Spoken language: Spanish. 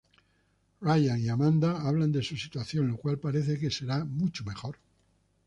Ryan y Amanda hablan de su situación, la cual parece que será mucho mejor.